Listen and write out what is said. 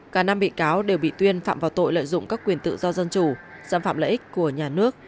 cả năm bị cáo đều bị tuyên phạm vào tội lợi dụng các quyền tự do dân chủ xâm phạm lợi ích của nhà nước